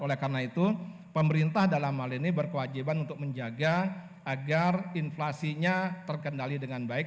oleh karena itu pemerintah dalam hal ini berkewajiban untuk menjaga agar inflasinya terkendali dengan baik